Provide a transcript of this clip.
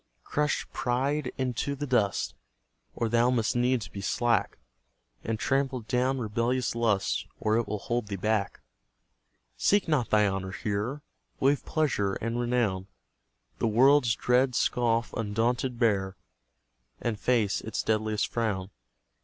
Crush pride into the dust, Or thou must needs be slack; And trample down rebellious lust, Or it will hold thee back. Seek not thy honour here; Waive pleasure and renown; The world's dread scoff undaunted bear, And face its deadliest frown.